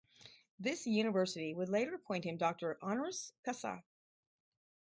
This university would later appoint him doctor honoris causa.